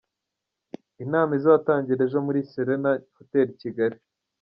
Inama izatangira ejo muri Serena Hoteli i Kigali.